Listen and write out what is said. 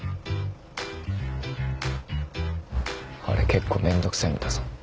あれ結構面倒くせぇんだぞ。